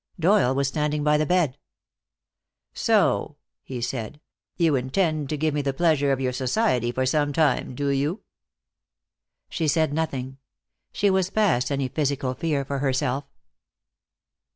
Doyle was standing by the bed. "So," he said, "you intend to give me the pleasure of your society for some time, do you?" She said nothing. She was past any physical fear for herself.